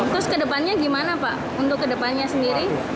terus ke depannya gimana pak untuk ke depannya sendiri